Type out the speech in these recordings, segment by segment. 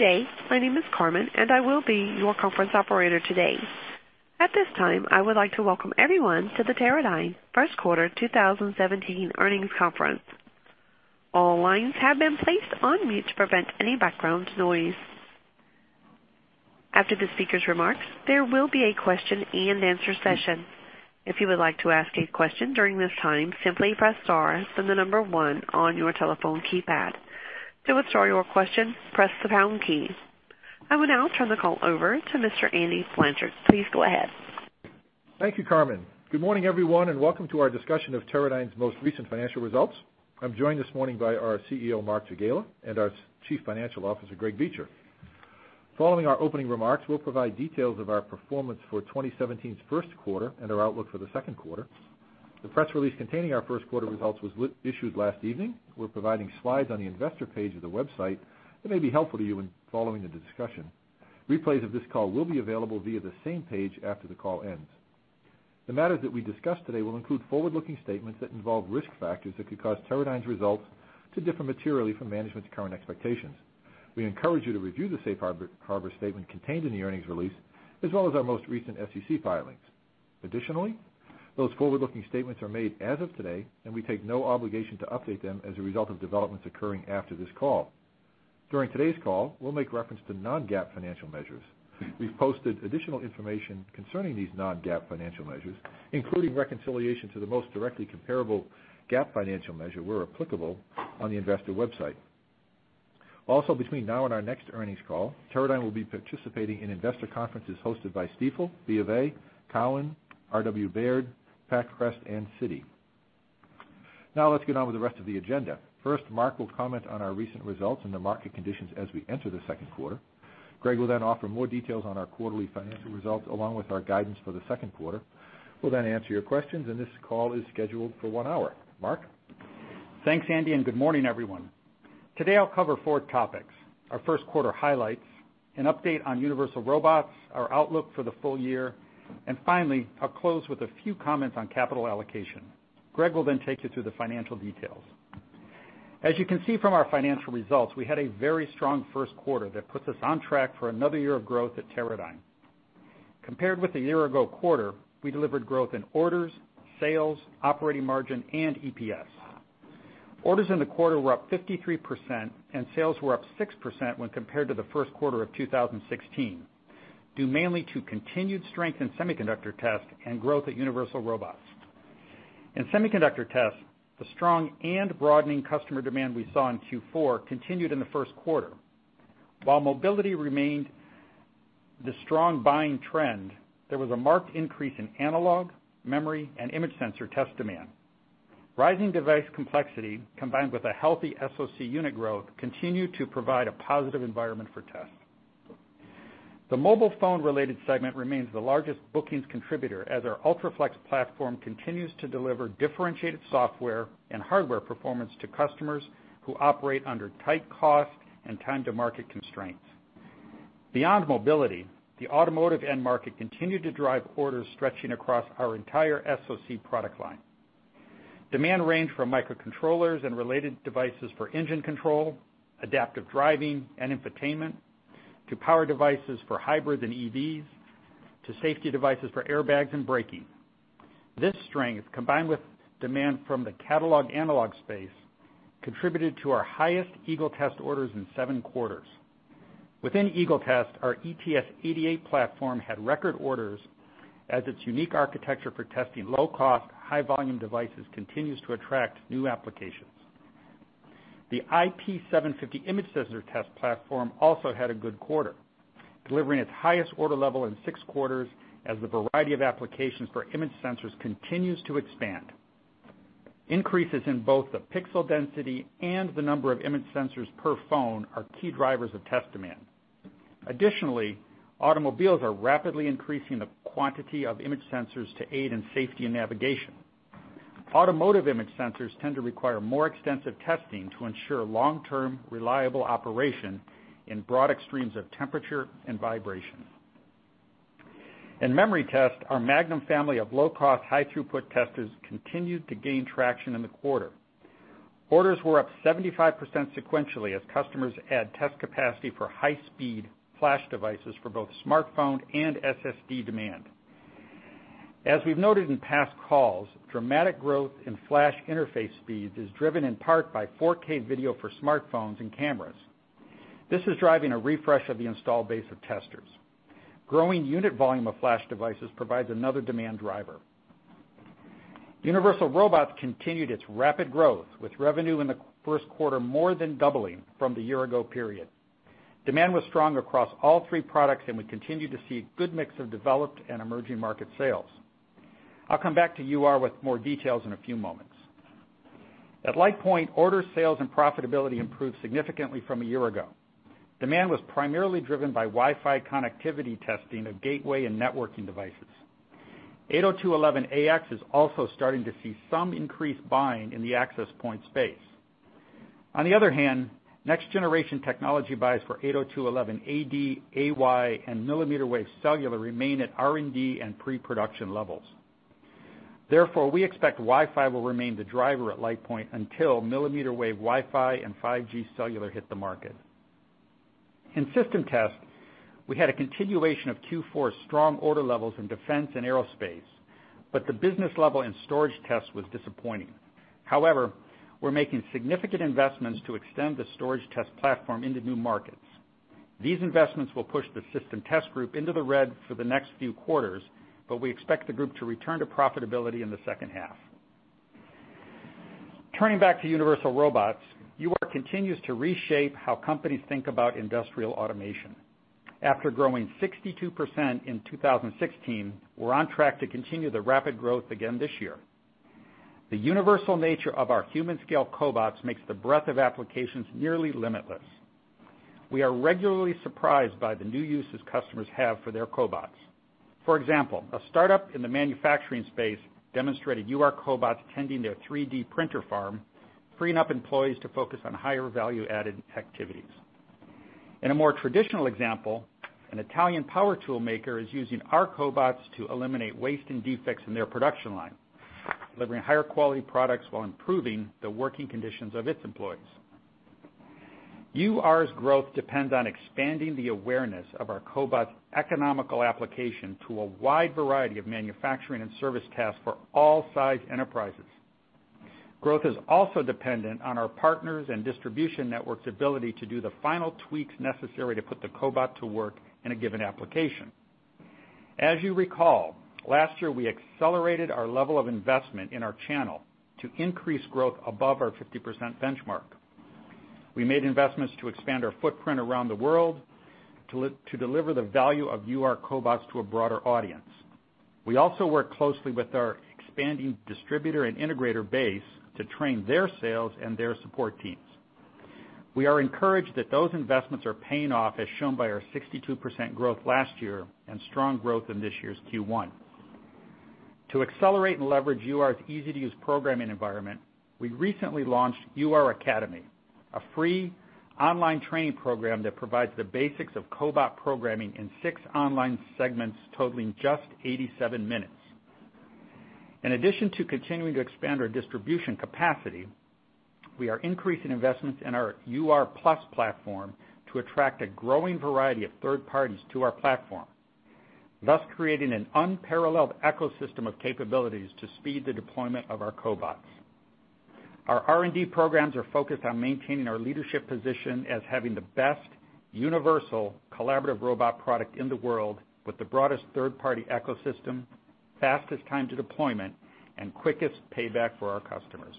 Good day. My name is Carmen, and I will be your conference operator today. At this time, I would like to welcome everyone to the Teradyne First Quarter 2017 Earnings Conference. All lines have been placed on mute to prevent any background noise. After the speaker's remarks, there will be a question and answer session. If you would like to ask a question during this time, simply press star then the number 1 on your telephone keypad. To withdraw your question, press the pound key. I will now turn the call over to Mr. Andy Blanchard. Please go ahead. Thank you, Carmen. Good morning, everyone, welcome to our discussion of Teradyne's most recent financial results. I'm joined this morning by our CEO, Mark Jagiela, and our Chief Financial Officer, Greg Beecher. Following our opening remarks, we'll provide details of our performance for 2017's first quarter and our outlook for the second quarter. The press release containing our first quarter results was issued last evening. We're providing slides on the investor page of the website that may be helpful to you when following the discussion. Replays of this call will be available via the same page after the call ends. The matters that we discuss today will include forward-looking statements that involve risk factors that could cause Teradyne's results to differ materially from management's current expectations. We encourage you to review the safe harbor statement contained in the earnings release, as well as our most recent SEC filings. Additionally, those forward-looking statements are made as of today, and we take no obligation to update them as a result of developments occurring after this call. During today's call, we'll make reference to non-GAAP financial measures. We've posted additional information concerning these non-GAAP financial measures, including reconciliation to the most directly comparable GAAP financial measure where applicable on the investor website. Also, between now and our next earnings call, Teradyne will be participating in investor conferences hosted by Stifel, BofA, Cowen, RW Baird, Pac Crest, and Citi. Now let's get on with the rest of the agenda. First, Mark will comment on our recent results and the market conditions as we enter the second quarter. Greg will offer more details on our quarterly financial results, along with our guidance for the second quarter. We'll answer your questions. This call is scheduled for 1 hour. Mark? Thanks, Andy. Good morning, everyone. Today, I'll cover 4 topics: our first quarter highlights, an update on Universal Robots, our outlook for the full year, and finally, I'll close with a few comments on capital allocation. Greg will take you through the financial details. As you can see from our financial results, we had a very strong first quarter that puts us on track for another year of growth at Teradyne. Compared with the year-ago quarter, we delivered growth in orders, sales, operating margin, and EPS. Orders in the quarter were up 53% and sales were up 6% when compared to the first quarter of 2016, due mainly to continued strength in Semiconductor Test and growth at Universal Robots. In Semiconductor Test, the strong and broadening customer demand we saw in Q4 continued in the first quarter. While mobility remained the strong buying trend, there was a marked increase in analog, memory, and image sensor test demand. Rising device complexity, combined with a healthy SoC unit growth, continued to provide a positive environment for test. The mobile phone-related segment remains the largest bookings contributor as our UltraFLEX platform continues to deliver differentiated software and hardware performance to customers who operate under tight cost and time-to-market constraints. Beyond mobility, the automotive end market continued to drive orders stretching across our entire SoC product line. Demand ranged from microcontrollers and related devices for engine control, adaptive driving, and infotainment to power devices for hybrids and EVs to safety devices for airbags and braking. This strength, combined with demand from the catalog analog space, contributed to our highest Eagle Test orders in seven quarters. Within Eagle Test, our ETS-88 platform had record orders as its unique architecture for testing low-cost, high-volume devices continues to attract new applications. The IP750 image sensor test platform also had a good quarter, delivering its highest order level in six quarters as the variety of applications for image sensors continues to expand. Increases in both the pixel density and the number of image sensors per phone are key drivers of test demand. Additionally, automobiles are rapidly increasing the quantity of image sensors to aid in safety and navigation. Automotive image sensors tend to require more extensive testing to ensure long-term reliable operation in broad extremes of temperature and vibration. In memory test, our Magnum family of low-cost, high-throughput testers continued to gain traction in the quarter. Orders were up 75% sequentially as customers add test capacity for high-speed flash devices for both smartphone and SSD demand. As we've noted in past calls, dramatic growth in flash interface speed is driven in part by 4K video for smartphones and cameras. This is driving a refresh of the installed base of testers. Growing unit volume of flash devices provides another demand driver. Universal Robots continued its rapid growth, with revenue in the first quarter more than doubling from the year-ago period. Demand was strong across all three products, and we continued to see a good mix of developed and emerging market sales. I'll come back to UR with more details in a few moments. At LitePoint, orders, sales, and profitability improved significantly from a year ago. Demand was primarily driven by Wi-Fi connectivity testing of gateway and networking devices. 802.11ax is also starting to see some increased buying in the access point space. On the other hand, next-generation technology buys for 802.11ad, 802.11ay, and millimeter-wave cellular remain at R&D and pre-production levels. Therefore, we expect Wi-Fi will remain the driver at LitePoint until millimeter-wave Wi-Fi and 5G cellular hit the market. In system test, we had a continuation of Q4's strong order levels in defense and aerospace, but the business level in storage test was disappointing. However, we're making significant investments to extend the storage test platform into new markets. These investments will push the system test group into the red for the next few quarters, but we expect the group to return to profitability in the second half. Turning back to Universal Robots, UR continues to reshape how companies think about industrial automation. After growing 62% in 2016, we're on track to continue the rapid growth again this year. The universal nature of our human scale cobots makes the breadth of applications nearly limitless. We are regularly surprised by the new uses customers have for their cobots. For example, a startup in the manufacturing space demonstrated UR cobots tending their 3D printer farm, freeing up employees to focus on higher value-added activities. In a more traditional example, an Italian power tool maker is using our cobots to eliminate waste and defects in their production line, delivering higher quality products while improving the working conditions of its employees. UR's growth depends on expanding the awareness of our cobots' economical application to a wide variety of manufacturing and service tasks for all size enterprises. Growth is also dependent on our partners and distribution network's ability to do the final tweaks necessary to put the cobot to work in a given application. As you recall, last year, we accelerated our level of investment in our channel to increase growth above our 50% benchmark. We made investments to expand our footprint around the world to deliver the value of UR cobots to a broader audience. We also work closely with our expanding distributor and integrator base to train their sales and their support teams. We are encouraged that those investments are paying off, as shown by our 62% growth last year and strong growth in this year's Q1. To accelerate and leverage UR's easy-to-use programming environment, we recently launched UR Academy, a free online training program that provides the basics of cobot programming in six online segments totaling just 87 minutes. In addition to continuing to expand our distribution capacity, we are increasing investments in our UR+ platform to attract a growing variety of third parties to our platform, thus creating an unparalleled ecosystem of capabilities to speed the deployment of our cobots. Our R&D programs are focused on maintaining our leadership position as having the best universal collaborative robot product in the world with the broadest third-party ecosystem, fastest time to deployment, and quickest payback for our customers.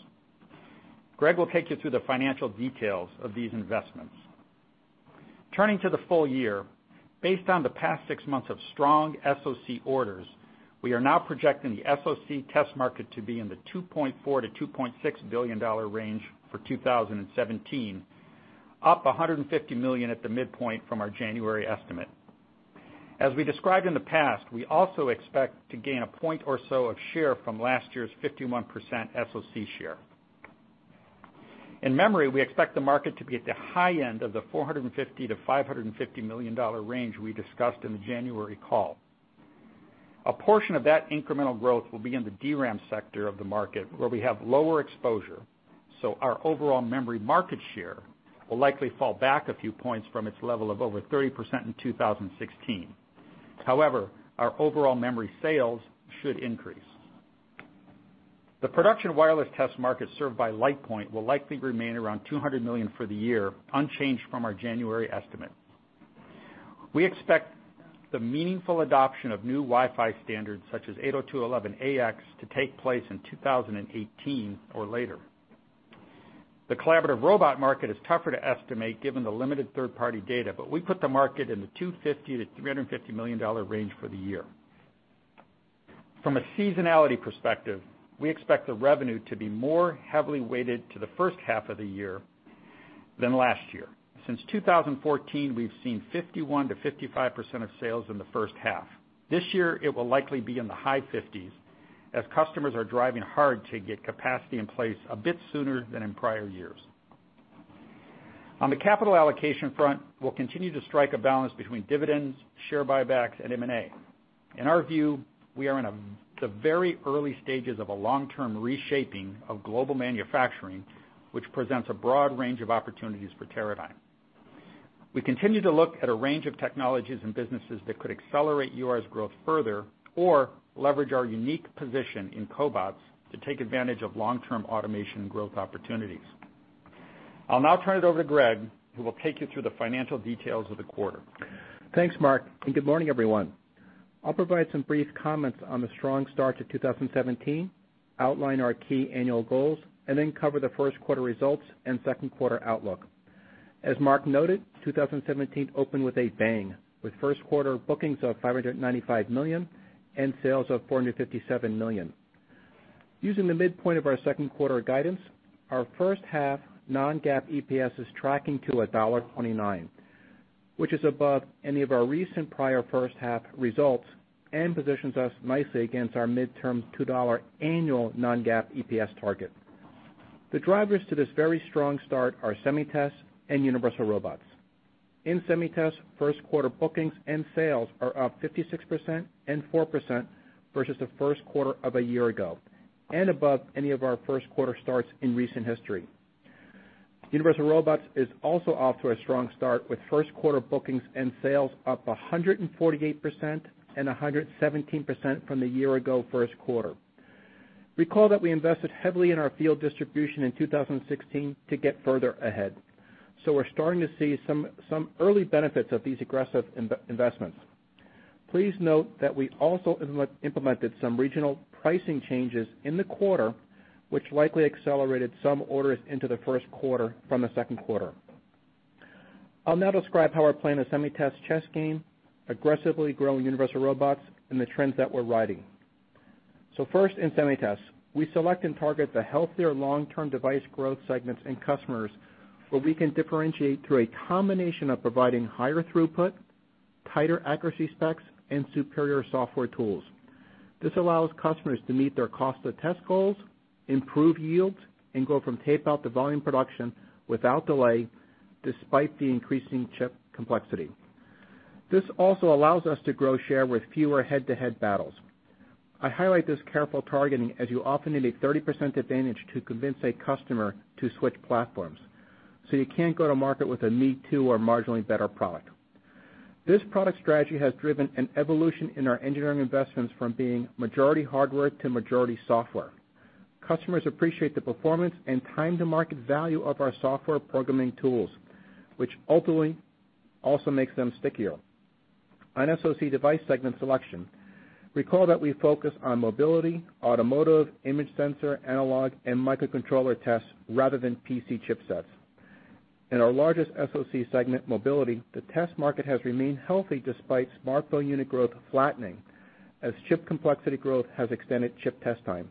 Greg will take you through the financial details of these investments. Turning to the full year, based on the past six months of strong SoC orders, we are now projecting the SoC test market to be in the $2.4 billion-$2.6 billion range for 2017, up $150 million at the midpoint from our January estimate. As we described in the past, we also expect to gain a point or so of share from last year's 51% SoC share. In memory, we expect the market to be at the high end of the $450 million-$550 million range we discussed in the January call. A portion of that incremental growth will be in the DRAM sector of the market, where we have lower exposure, so our overall memory market share will likely fall back a few points from its level of over 30% in 2016. However, our overall memory sales should increase. The production wireless test market served by LitePoint will likely remain around $200 million for the year, unchanged from our January estimate. We expect the meaningful adoption of new Wi-Fi standards, such as 802.11ax, to take place in 2018 or later. The collaborative robot market is tougher to estimate given the limited third-party data, but we put the market in the $250 million to $350 million range for the year. From a seasonality perspective, we expect the revenue to be more heavily weighted to the first half of the year than last year. Since 2014, we've seen 51% to 55% of sales in the first half. This year, it will likely be in the high 50s, as customers are driving hard to get capacity in place a bit sooner than in prior years. On the capital allocation front, we'll continue to strike a balance between dividends, share buybacks, and M&A. In our view, we are in the very early stages of a long-term reshaping of global manufacturing, which presents a broad range of opportunities for Teradyne. We continue to look at a range of technologies and businesses that could accelerate UR's growth further or leverage our unique position in cobots to take advantage of long-term automation growth opportunities. I'll now turn it over to Greg, who will take you through the financial details of the quarter. Thanks, Mark, good morning, everyone. I'll provide some brief comments on the strong start to 2017, outline our key annual goals, then cover the first quarter results and second quarter outlook. As Mark noted, 2017 opened with a bang, with first quarter bookings of $595 million and sales of $457 million. Using the midpoint of our second quarter guidance, our first half non-GAAP EPS is tracking to $1.29, which is above any of our recent prior first half results and positions us nicely against our midterm $2 annual non-GAAP EPS target. The drivers to this very strong start are SemiTest and Universal Robots. In SemiTest, first quarter bookings and sales are up 56% and 4% versus the first quarter of a year ago, above any of our first-quarter starts in recent history. Universal Robots is also off to a strong start with first-quarter bookings and sales up 148% and 117% from the year-ago first quarter. Recall that we invested heavily in our field distribution in 2016 to get further ahead. We're starting to see some early benefits of these aggressive investments. Please note that we also implemented some regional pricing changes in the quarter, which likely accelerated some orders into the first quarter from the second quarter. I'll now describe how we're playing the SemiTest chess game, aggressively growing Universal Robots, the trends that we're riding. First, in SemiTest. We select and target the healthier long-term device growth segments and customers where we can differentiate through a combination of providing higher throughput, tighter accuracy specs, and superior software tools. This allows customers to meet their cost of test goals, improve yields, and go from tape-out to volume production without delay, despite the increasing chip complexity. This also allows us to grow share with fewer head-to-head battles. I highlight this careful targeting, as you often need a 30% advantage to convince a customer to switch platforms. You can't go to market with a me-too or marginally better product. This product strategy has driven an evolution in our engineering investments from being majority hardware to majority software. Customers appreciate the performance and time-to-market value of our software programming tools, which ultimately also makes them stickier. On SoC device segment selection, recall that we focus on mobility, automotive, image sensor, analog, and microcontroller tests rather than PC chipsets. In our largest SoC segment, mobility, the test market has remained healthy despite smartphone unit growth flattening, as chip complexity growth has extended chip test time.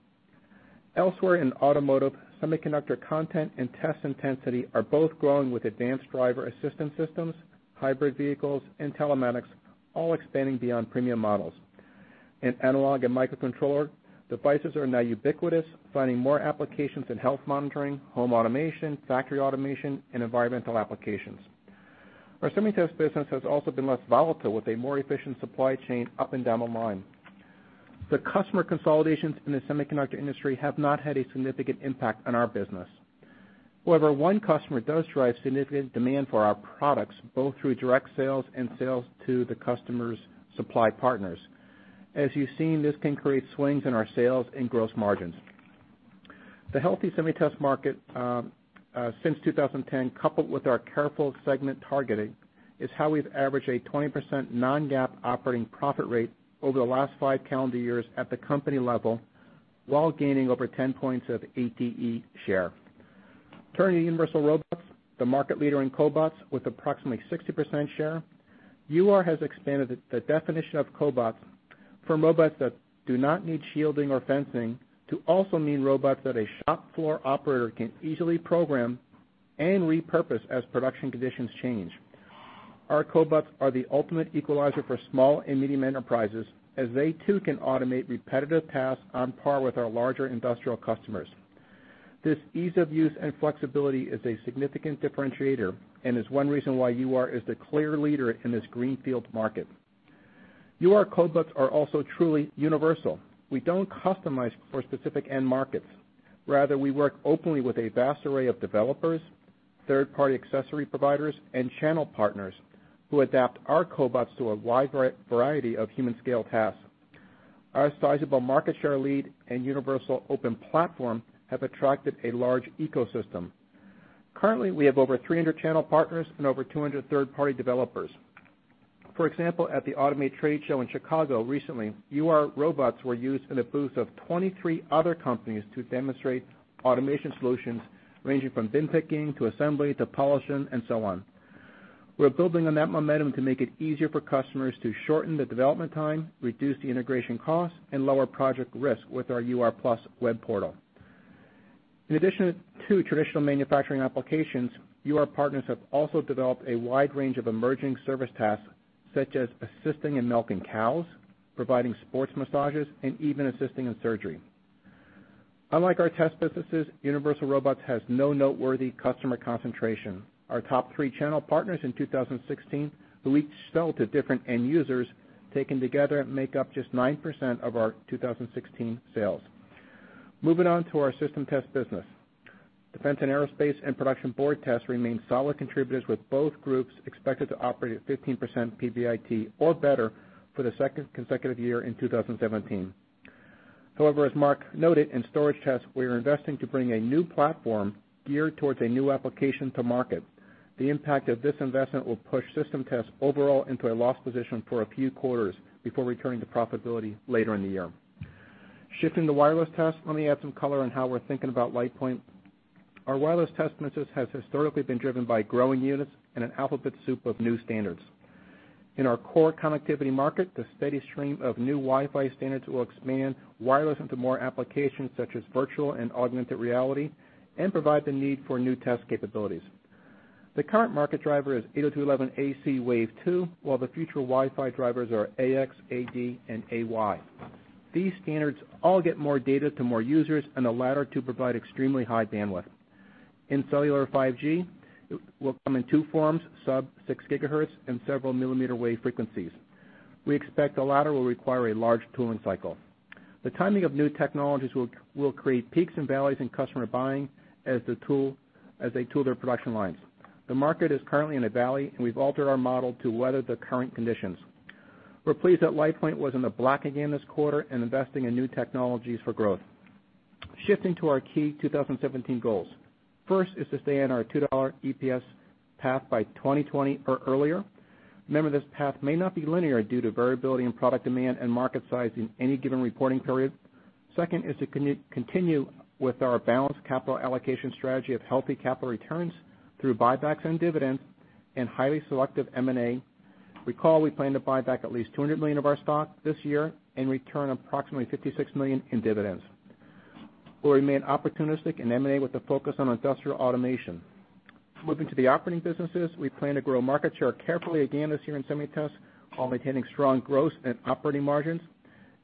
Elsewhere in automotive, semiconductor content and test intensity are both growing with advanced driver assistance systems, hybrid vehicles, and telematics all expanding beyond premium models. In analog and microcontroller, devices are now ubiquitous, finding more applications in health monitoring, home automation, factory automation, and environmental applications. Our SemiTest business has also been less volatile with a more efficient supply chain up and down the line. The customer consolidations in the semiconductor industry have not had a significant impact on our business. However, one customer does drive significant demand for our products, both through direct sales and sales to the customer's supply partners. As you've seen, this can create swings in our sales and gross margins. The healthy SemiTest market since 2010, coupled with our careful segment targeting, is how we've averaged a 20% non-GAAP operating profit rate over the last five calendar years at the company level while gaining over 10 points of ATE share. Turning to Universal Robots, the market leader in cobots with approximately 60% share. UR has expanded the definition of cobots for robots that do not need shielding or fencing to also mean robots that a shop floor operator can easily program and repurpose as production conditions change. Our cobots are the ultimate equalizer for small and medium enterprises as they too can automate repetitive tasks on par with our larger industrial customers. This ease of use and flexibility is a significant differentiator and is one reason why UR is the clear leader in this greenfield market. UR cobots are also truly universal. We don't customize for specific end markets. Rather, we work openly with a vast array of developers, third-party accessory providers, and channel partners who adapt our cobots to a wide variety of human-scale tasks. Our sizable market share lead and universal open platform have attracted a large ecosystem. Currently, we have over 300 channel partners and over 200 third-party developers. For example, at the Automate Show in Chicago recently, UR robots were used in the booth of 23 other companies to demonstrate automation solutions ranging from bin picking to assembly to polishing and so on. We're building on that momentum to make it easier for customers to shorten the development time, reduce the integration cost, and lower project risk with our UR+ web portal. In addition to traditional manufacturing applications, UR partners have also developed a wide range of emerging service tasks, such as assisting in milking cows, providing sports massages, and even assisting in surgery. Unlike our test businesses, Universal Robots has no noteworthy customer concentration. Our top three channel partners in 2016, who each sell to different end users, taken together make up just 9% of our 2016 sales. Moving on to our System Test business. Defense and aerospace and production board tests remain solid contributors, with both groups expected to operate at 15% PBIT or better for the second consecutive year in 2017. However, as Mark noted, in storage tests, we are investing to bring a new platform geared towards a new application to market. The impact of this investment will push System Test overall into a loss position for a few quarters before returning to profitability later in the year. Shifting to Wireless Test, let me add some color on how we're thinking about LitePoint. Our Wireless Test business has historically been driven by growing units and an alphabet soup of new standards. In our core connectivity market, the steady stream of new Wi-Fi standards will expand wireless into more applications such as virtual and augmented reality and provide the need for new test capabilities. The current market driver is 802.11ac Wave 2, while the future Wi-Fi drivers are ax, ad, and ay. These standards all get more data to more users, and the latter two provide extremely high bandwidth. In cellular 5G, will come in two forms, sub-6 gigahertz and several millimeter-wave frequencies. We expect the latter will require a large tooling cycle. The timing of new technologies will create peaks and valleys in customer buying as they tool their production lines. The market is currently in a valley. We've altered our model to weather the current conditions. We're pleased that LitePoint was in the black again this quarter and investing in new technologies for growth. Shifting to our key 2017 goals. First is to stay on our $2 EPS path by 2020 or earlier. Remember, this path may not be linear due to variability in product demand and market size in any given reporting period. Second is to continue with our balanced capital allocation strategy of healthy capital returns through buybacks and dividends and highly selective M&A. Recall, we plan to buy back at least $200 million of our stock this year and return approximately $56 million in dividends. We'll remain opportunistic in M&A with a focus on industrial automation. Moving to the operating businesses, we plan to grow market share carefully again this year in SemiTest while maintaining strong growth and operating margins.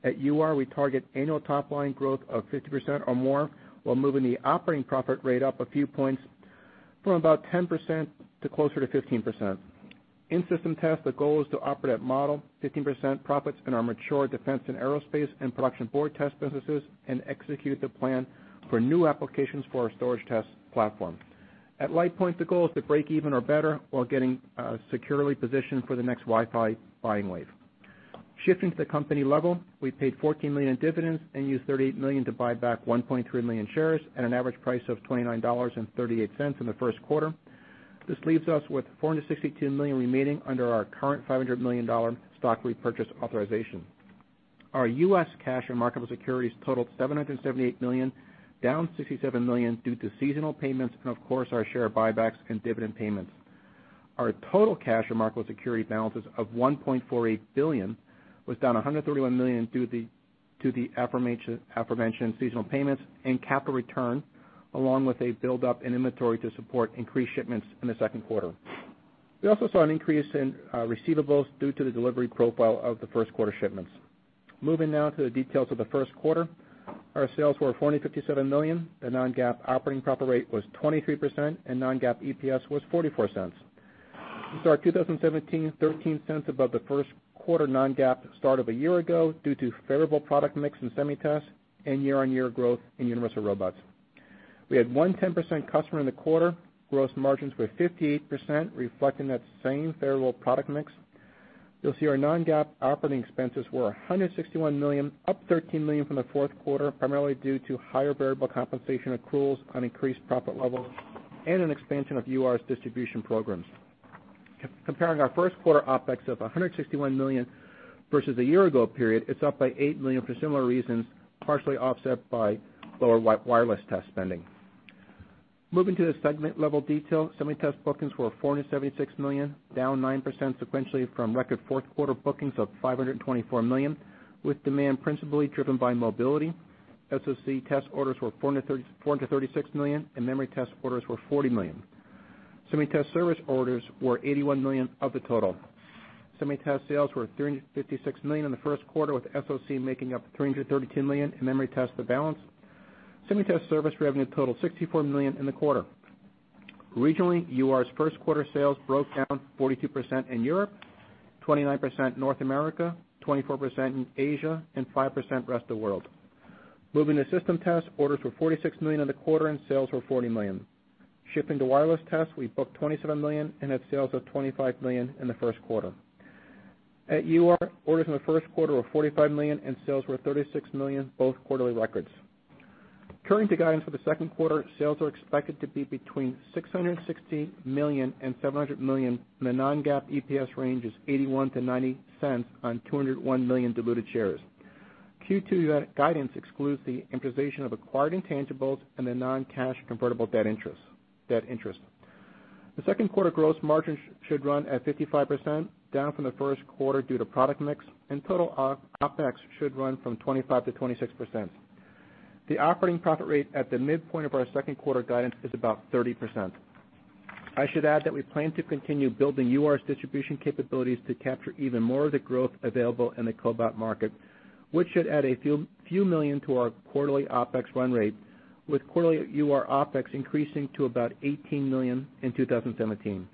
At UR, we target annual top-line growth of 50% or more while moving the operating profit rate up a few points from about 10% to closer to 15%. In System Test, the goal is to operate at model 15% profits in our mature defense and aerospace and production board test businesses and execute the plan for new applications for our storage test platform. At LitePoint, the goal is to break even or better while getting securely positioned for the next Wi-Fi buying wave. Shifting to the company level, we paid $14 million in dividends and used $38 million to buy back 1.3 million shares at an average price of $29.38 in the first quarter. This leaves us with $462 million remaining under our current $500 million stock repurchase authorization. Our U.S. cash and marketable securities totaled $778 million, down $67 million due to seasonal payments and of course our share buybacks and dividend payments. Our total cash and marketable securities balances of $1.48 billion was down $131 million due to the aforementioned seasonal payments and capital return, along with a buildup in inventory to support increased shipments in the second quarter. We also saw an increase in receivables due to the delivery profile of the first quarter shipments. Moving now to the details of the first quarter. Our sales were $457 million. The non-GAAP operating profit rate was 23%, and non-GAAP EPS was $0.44. We start 2017 above the first quarter non-GAAP start of a year ago due to favorable product mix in SemiTest and year-on-year growth in Universal Robots. We had one 10% customer in the quarter. Gross margins were 58%, reflecting that same favorable product mix. You'll see our non-GAAP operating expenses were $161 million, up $13 million from the fourth quarter, primarily due to higher variable compensation accruals on increased profit levels and an expansion of UR's distribution programs. Comparing our first quarter OpEx of $161 million versus a year ago period, it's up by $8 million for similar reasons, partially offset by lower wireless test spending. Moving to the segment-level detail. SemiTest bookings were $476 million, down 9% sequentially from record fourth quarter bookings of $524 million, with demand principally driven by mobility. SoC test orders were $436 million, and memory test orders were $40 million. SemiTest service orders were $81 million of the total. SemiTest sales were $356 million in the first quarter, with SoC making up $332 million and memory test the balance. SemiTest service revenue totaled $64 million in the quarter. Regionally, UR's first quarter sales broke down 42% in Europe, 29% North America, 24% in Asia, and 5% rest of world. Moving to System Test, orders were $46 million in the quarter, and sales were $40 million. Shifting to Wireless Test, we booked $27 million and had sales of $25 million in the first quarter. At UR, orders in the first quarter were $45 million, and sales were $36 million, both quarterly records. Turning to guidance for the second quarter, sales are expected to be between $660 million-$700 million, and the non-GAAP EPS range is $0.81-$0.90 on 201 million diluted shares. Q2 guidance excludes the amortization of acquired intangibles and the non-cash convertible debt interest. The second quarter gross margins should run at 55%, down from the first quarter due to product mix, and total OpEx should run from 25%-26%. The operating profit rate at the midpoint of our second quarter guidance is about 30%. I should add that we plan to continue building UR's distribution capabilities to capture even more of the growth available in the cobot market, which should add a few million to our quarterly OpEx run rate, with quarterly UR OpEx increasing to about $18 million in 2017.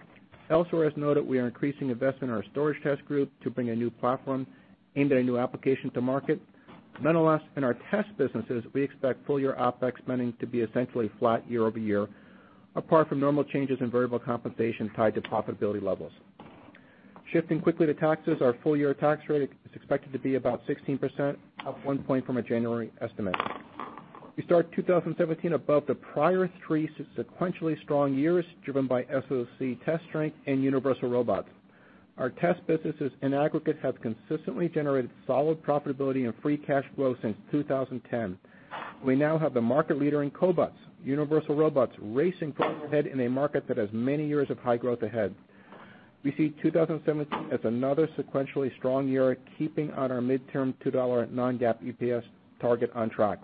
Elsewhere, as noted, we are increasing investment in our storage test group to bring a new platform aimed at a new application to market. Nonetheless, in our test businesses, we expect full-year OpEx spending to be essentially flat year-over-year, apart from normal changes in variable compensation tied to profitability levels. Shifting quickly to taxes, our full-year tax rate is expected to be about 16%, up one point from a January estimate. We start 2017 above the prior three sequentially strong years, driven by SoC test strength and Universal Robots. Our test businesses in aggregate have consistently generated solid profitability and free cash flow since 2010. We now have the market leader in cobots, Universal Robots, racing full ahead in a market that has many years of high growth ahead. We see 2017 as another sequentially strong year, keeping on our midterm $2 non-GAAP EPS target on track.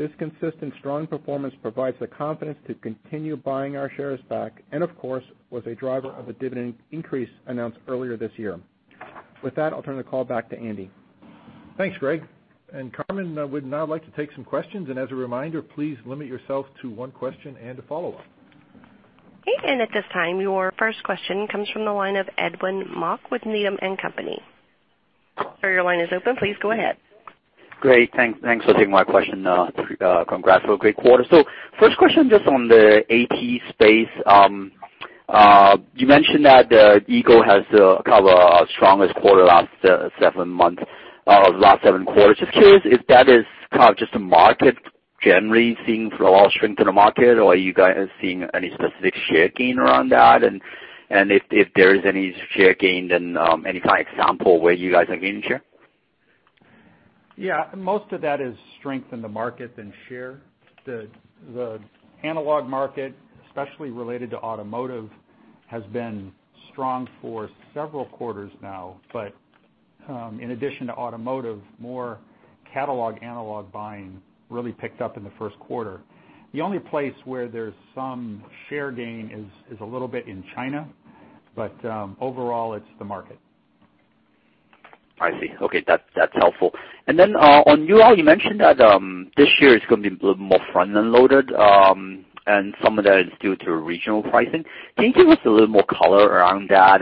This consistent strong performance provides the confidence to continue buying our shares back and, of course, was a driver of the dividend increase announced earlier this year. With that, I'll turn the call back to Andy. Thanks, Greg, and Carmen, we'd now like to take some questions. As a reminder, please limit yourself to one question and a follow-up. Okay. At this time, your first question comes from the line of Edwin Mok with Needham & Company. Sir, your line is open. Please go ahead. Great. Thanks for taking my question. Congrats for a great quarter. First question, just on the ATE space. You mentioned that Eagle Test has the kind of strongest quarter last seven quarters. Just curious if that is kind of just a market generally seeing overall strength in the market, or are you guys seeing any specific share gain around that? If there is any share gain, then any kind of example where you guys are gaining share? Yeah. Most of that is strength in the market than share. The analog market, especially related to automotive, has been strong for several quarters now. In addition to automotive, more catalog analog buying really picked up in the first quarter. The only place where there's some share gain is a little bit in China, overall, it's the market. I see. Okay. That's helpful. Then on UR, you mentioned that this year is going to be a little more front-end loaded, some of that is due to regional pricing. Can you give us a little more color around that?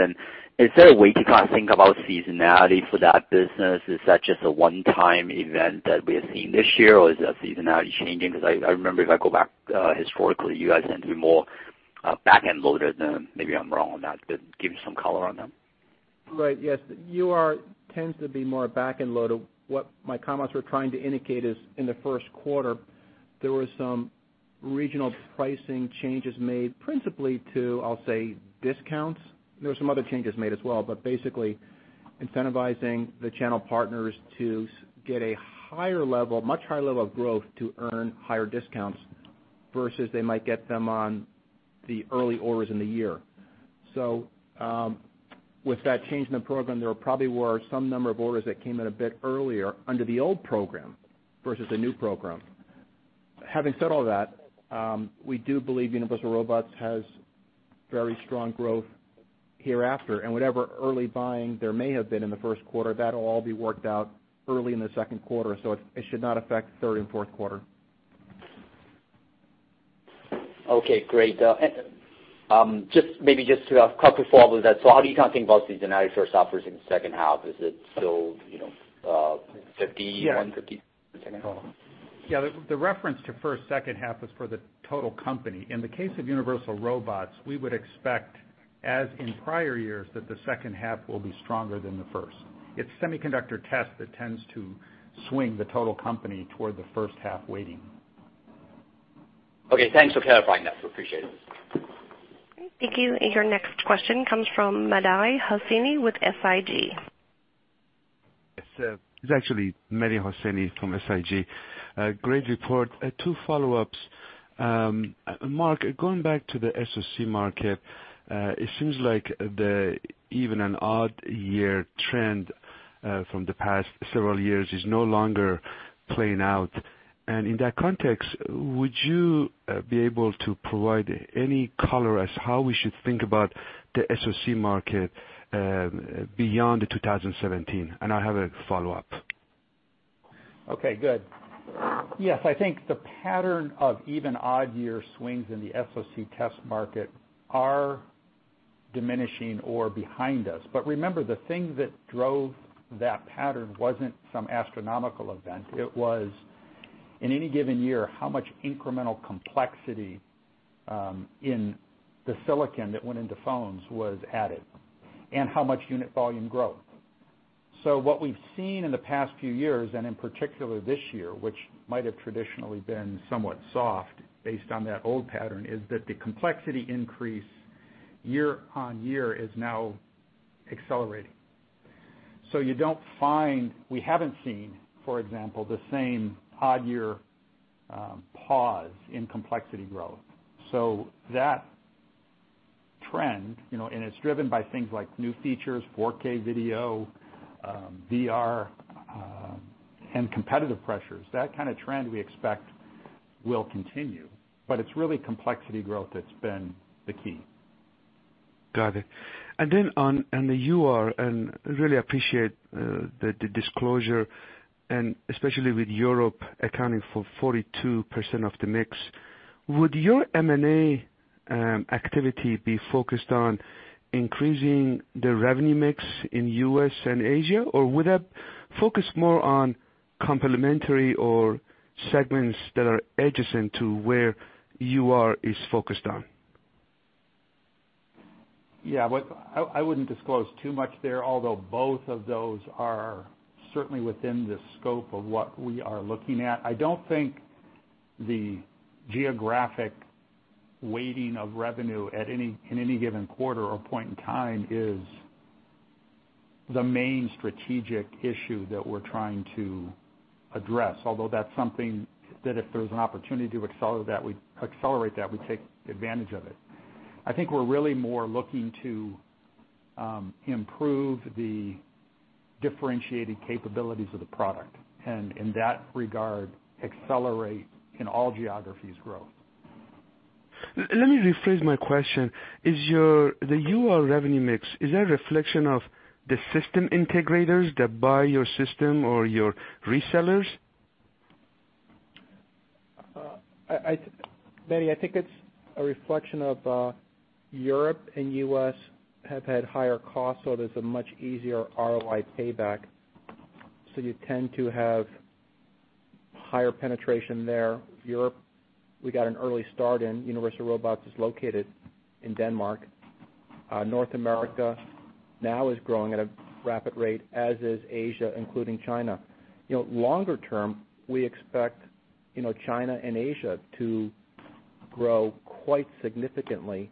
Is there a way to kind of think about seasonality for that business? Is that just a one-time event that we are seeing this year, or is that seasonality changing? Because I remember if I go back historically, you guys tend to be more back-end loaded than, maybe I'm wrong on that, but give me some color on that. Right. Yes. UR tends to be more back-end loaded. What my comments were trying to indicate is in the first quarter, there were some regional pricing changes made principally to, I'll say, discounts. There were some other changes made as well, basically incentivizing the channel partners to get a much higher level of growth to earn higher discounts versus they might get them on the early orders in the year. With that change in the program, there probably were some number of orders that came in a bit earlier under the old program versus the new program. Having said all that, we do believe Universal Robots has very strong growth hereafter, whatever early buying there may have been in the first quarter, that'll all be worked out early in the second quarter, so it should not affect third and fourth quarter. Okay, great. Just maybe just a couple of follow-ups to that. How do you kind of think about seasonality for softwares in the second half? Is it still 50, 150- Yeah. Second quarter? Yeah, the reference to first, second half is for the total company. In the case of Universal Robots, we would expect, as in prior years, that the second half will be stronger than the first. It's Semiconductor Test that tends to swing the total company toward the first half waiting. Okay, thanks for clarifying that. Appreciate it. Okay, thank you. Your next question comes from Mehdi Hosseini with SIG. It's actually Mehdi Hosseini from SIG. Great report. Two follow-ups. Mark, going back to the SoC market, it seems like even an odd-year trend from the past several years is no longer playing out. In that context, would you be able to provide any color as to how we should think about the SoC market beyond 2017? I have a follow-up. Okay, good. Yes, I think the pattern of even odd-year swings in the SoC test market are diminishing or behind us. Remember, the thing that drove that pattern wasn't some astronomical event. It was in any given year, how much incremental complexity in the silicon that went into phones was added, and how much unit volume growth. What we've seen in the past few years, and in particular this year, which might have traditionally been somewhat soft based on that old pattern, is that the complexity increase year-on-year is now accelerating. We haven't seen, for example, the same odd-year pause in complexity growth. That trend, and it's driven by things like new features, 4K video, VR, and competitive pressures. That kind of trend we expect will continue, but it's really complexity growth that's been the key. Got it. Then on the UR, really appreciate the disclosure, especially with Europe accounting for 42% of the mix, would your M&A activity be focused on increasing the revenue mix in U.S. and Asia, or would that focus more on complementary or segments that are adjacent to where UR is focused on? Yeah. I wouldn't disclose too much there, although both of those are certainly within the scope of what we are looking at. I don't think the geographic weighting of revenue in any given quarter or point in time is the main strategic issue that we're trying to address, although that's something that if there's an opportunity to accelerate that, we take advantage of it. I think we're really more looking to improve the differentiated capabilities of the product, in that regard, accelerate in all geographies growth. Let me rephrase my question. The UR revenue mix, is that a reflection of the system integrators that buy your system or your resellers? Mehdi, I think it's a reflection of Europe and U.S. have had higher costs, there's a much easier ROI payback. You tend to have higher penetration there. Europe, we got an early start, and Universal Robots is located in Denmark. North America now is growing at a rapid rate, as is Asia, including China. Longer term, we expect China and Asia to grow quite significantly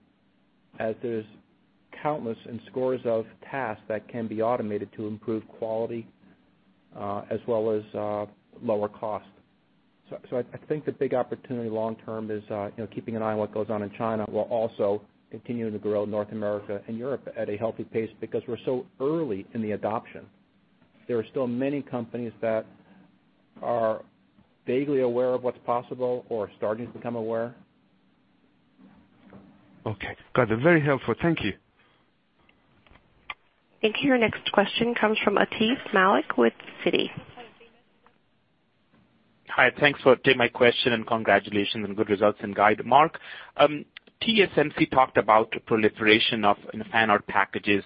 as there's countless and scores of tasks that can be automated to improve quality as well as lower cost. I think the big opportunity long term is keeping an eye on what goes on in China, while also continuing to grow North America and Europe at a healthy pace because we're so early in the adoption. There are still many companies that are vaguely aware of what's possible or starting to become aware. Okay. Got it. Very helpful. Thank you. Thank you. Your next question comes from Atif Malik with Citi. Hi, thanks for taking my question and congratulations on good results and guide, Mark. TSMC talked about the proliferation of Fan-out packages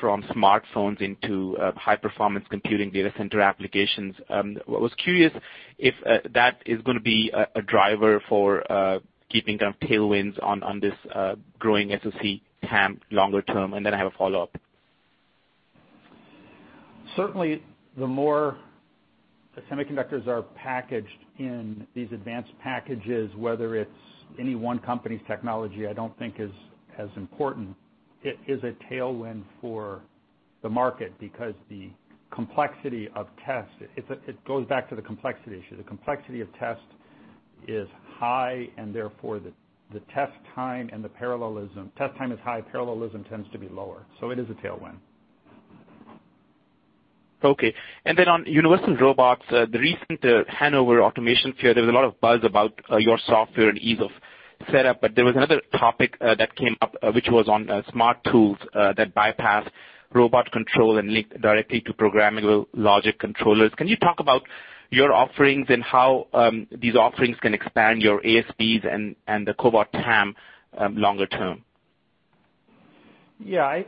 from smartphones into high-performance computing data center applications. I was curious if that is going to be a driver for keeping kind of tailwinds on this growing SoC TAM longer term. Then I have a follow-up. Certainly, the more semiconductors are packaged in these advanced packages, whether it is any one company's technology, I don't think is as important. It is a tailwind for the market because the complexity of test, it goes back to the complexity issue. The complexity of test is high and therefore the test time and the parallelism. Test time is high, parallelism tends to be lower. It is a tailwind. Okay. Then on Universal Robots, the recent Hannover automation fair, there was a lot of buzz about your software and ease of setup, but there was another topic that came up, which was on smart tools that bypass robot control and link directly to programmable logic controllers. Can you talk about your offerings and how these offerings can expand your ASPs and the cobot TAM longer term? Yeah.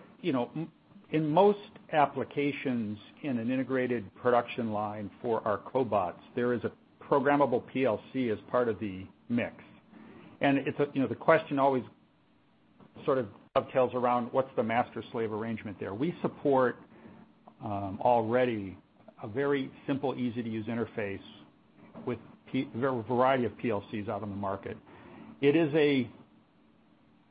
In most applications in an integrated production line for our cobots, there is a programmable PLC as part of the mix. The question always sort of dovetails around what's the master slave arrangement there. We support already a very simple, easy-to-use interface with a variety of PLCs out on the market. It is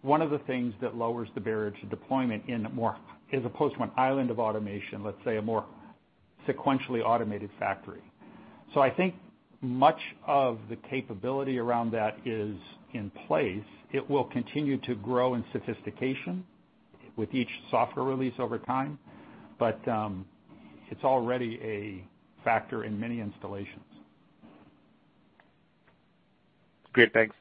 one of the things that lowers the barrier to deployment in a more as opposed to an island of automation, let's say, a more sequentially automated factory. I think much of the capability around that is in place. It will continue to grow in sophistication with each software release over time. It's already a factor in many installations. Great, thanks.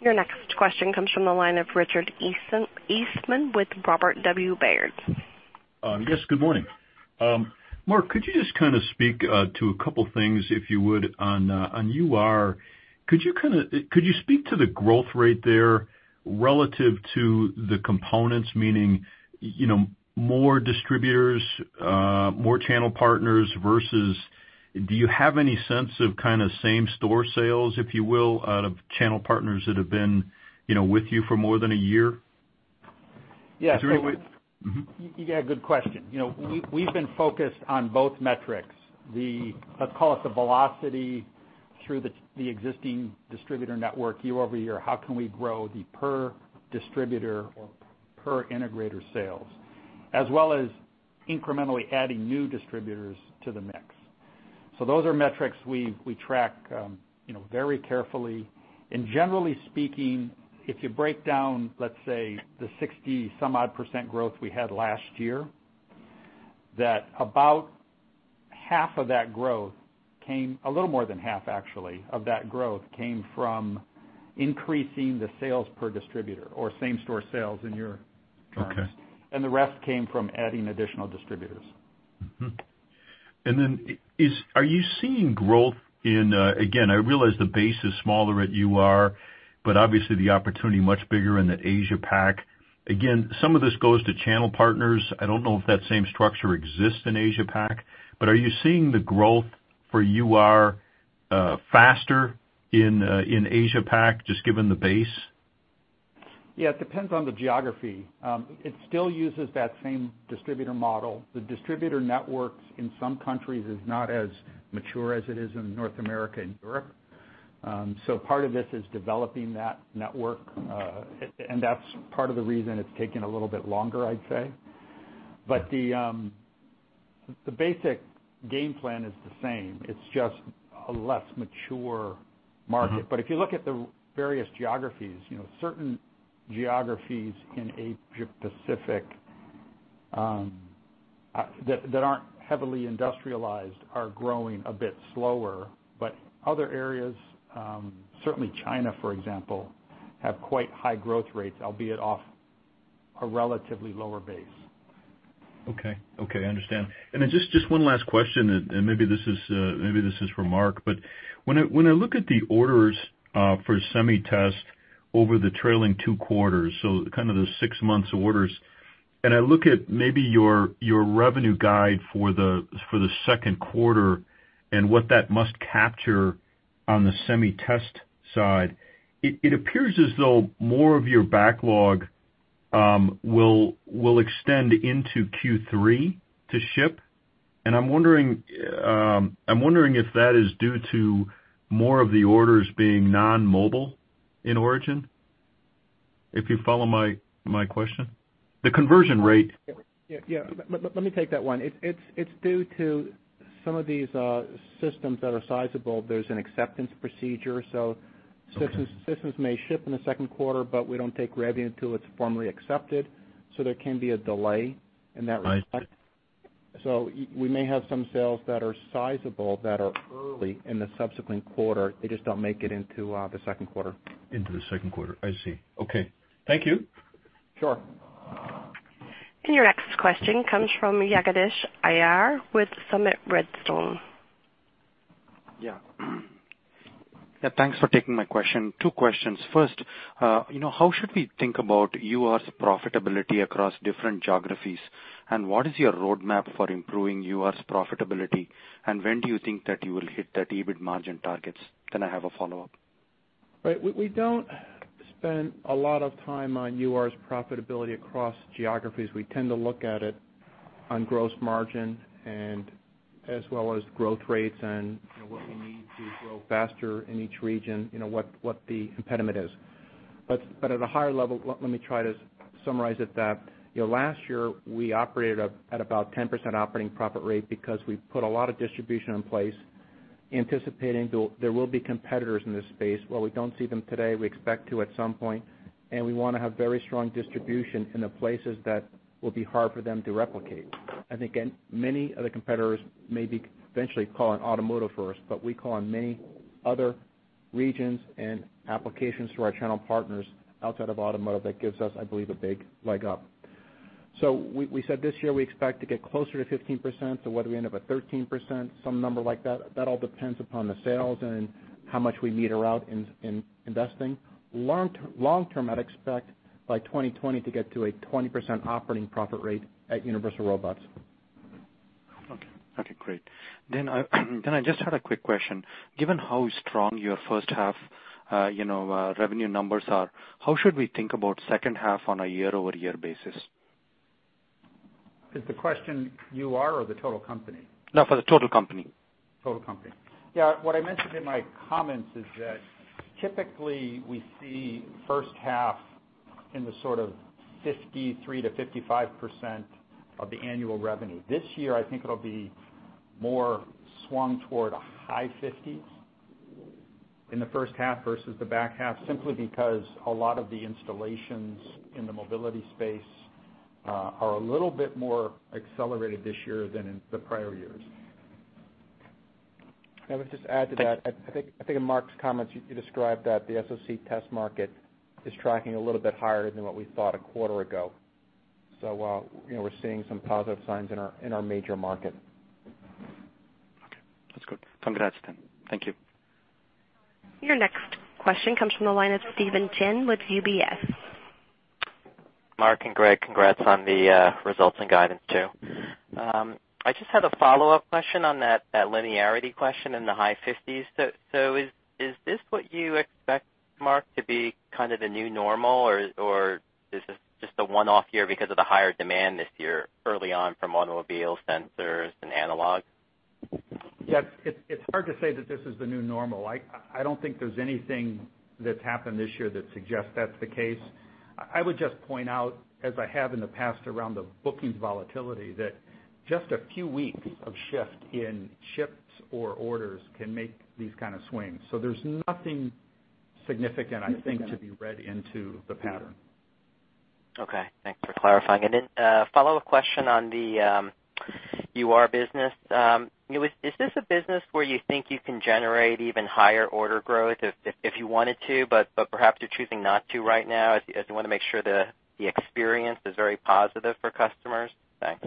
Your next question comes from the line of Richard Eastman with Robert W. Baird. Yes, good morning. Mark, could you just kind of speak to a couple things, if you would, on UR. Could you speak to the growth rate there relative to the components, meaning more distributors, more channel partners versus do you have any sense of kind of same store sales, if you will, out of channel partners that have been with you for more than a year? Yeah. Mm-hmm. Good question. We've been focused on both metrics. Let's call it the velocity through the existing distributor network year-over-year. How can we grow the per distributor or per integrator sales, as well as incrementally adding new distributors to the mix? Those are metrics we track very carefully. Generally speaking, if you break down, let's say, the 60-some odd % growth we had last year, that about half of that growth came, a little more than half actually of that growth, came from increasing the sales per distributor or same store sales in your terms. Okay. The rest came from adding additional distributors. Are you seeing growth in, again, I realize the base is smaller at UR, but obviously the opportunity much bigger in the Asia-Pac. Again, some of this goes to channel partners. I don't know if that same structure exists in Asia-Pac, but are you seeing the growth for UR faster in Asia-Pac, just given the base? It depends on the geography. It still uses that same distributor model. The distributor networks in some countries is not as mature as it is in North America and Europe. Part of this is developing that network, and that's part of the reason it's taking a little bit longer, I'd say. The basic game plan is the same. It's just a less mature market. If you look at the various geographies, certain geographies in Asia-Pacific that aren't heavily industrialized are growing a bit slower. Other areas, certainly China, for example, have quite high growth rates, albeit off a relatively lower base. Okay. I understand. Just one last question, maybe this is for Mark. When I look at the orders for SemiTest over the trailing 2 quarters, so kind of the 6 months orders, I look at maybe your revenue guide for the 2nd quarter and what that must capture on the SemiTest side, it appears as though more of your backlog will extend into Q3 to ship. I'm wondering if that is due to more of the orders being non-mobile in origin. If you follow my question. The conversion rate. Yeah. Let me take that one. It's due to some of these systems that are sizable. There's an acceptance procedure. Okay Systems may ship in the 2nd quarter, we don't take revenue until it's formally accepted, so there can be a delay in that respect. I see. We may have some sales that are sizable, that are early in the subsequent quarter. They just don't make it into the second quarter. Into the second quarter. I see. Okay. Thank you. Sure. Your next question comes from Jagadish Iyer with Summit Redstone. Yeah, thanks for taking my question. Two questions. First, how should we think about UR's profitability across different geographies, what is your roadmap for improving UR's profitability, when do you think that you will hit that EBIT margin targets? I have a follow-up. Right. We don't spend a lot of time on UR's profitability across geographies. We tend to look at it on gross margin and as well as growth rates and what we need to grow faster in each region, what the impediment is. At a higher level, let me try to summarize it that, last year, we operated at about 10% operating profit rate because we put a lot of distribution in place, anticipating there will be competitors in this space. While we don't see them today, we expect to at some point, and we want to have very strong distribution in the places that will be hard for them to replicate. I think, again, many of the competitors may be eventually call on automotive first, we call on many other regions and applications through our channel partners outside of automotive that gives us, I believe, a big leg up. We said this year we expect to get closer to 15%, whether we end up at 13%, some number like that all depends upon the sales and how much we meter out in investing. Long term, I'd expect by 2020 to get to a 20% operating profit rate at Universal Robots. Okay. Great. I just had a quick question. Given how strong your first half revenue numbers are, how should we think about second half on a year-over-year basis? Is the question UR or the total company? No, for the total company. Total company. Yeah. What I mentioned in my comments is that typically we see first half in the sort of 53%-55% of the annual revenue. This year, I think it'll be more swung toward a high 50s in the first half versus the back half, simply because a lot of the installations in the mobility space are a little bit more accelerated this year than in the prior years. Yeah. Let's just add to that. I think in Mark's comments, you described that the SoC test market is tracking a little bit higher than what we thought a quarter ago. We're seeing some positive signs in our major market. Okay. That's good. Congrats, then. Thank you. Your next question comes from the line of Steven Chin with UBS. Mark and Greg, congrats on the results and guidance too. I just had a follow-up question on that linearity question in the high 50s. Is this what you expect, Mark, to be kind of the new normal, or is this just a one-off year because of the higher demand this year early on from automobile sensors and analog? Yeah. It's hard to say that this is the new normal. I don't think there's anything that's happened this year that suggests that's the case. I would just point out, as I have in the past around the bookings volatility, that just a few weeks of shift in ships or orders can make these kind of swings. There's nothing significant, I think, to be read into the pattern. Okay. Thanks for clarifying. A follow-up question on the UR business. Is this a business where you think you can generate even higher order growth if you wanted to, but perhaps you're choosing not to right now, as you want to make sure the experience is very positive for customers? Thanks.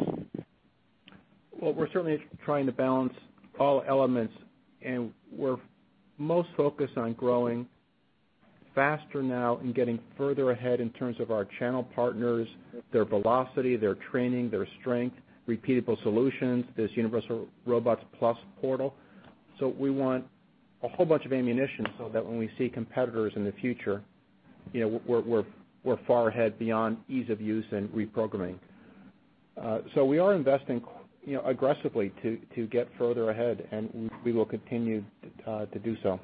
Well, we're certainly trying to balance all elements. We're most focused on growing faster now and getting further ahead in terms of our channel partners, their velocity, their training, their strength, repeatable solutions, this Universal Robots Plus portal. We want a whole bunch of ammunition so that when we see competitors in the future, we're far ahead beyond ease of use and reprogramming. We are investing aggressively to get further ahead. We will continue to do so.